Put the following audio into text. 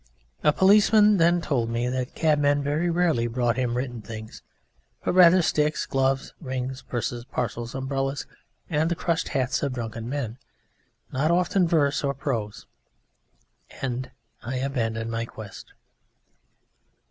A policeman then told me that cabmen very rarely brought him written things, but rather sticks, gloves, rings, purses, parcels, umbrellas, and the crushed hats of drunken men, not often verse or prose; and I abandoned my quest.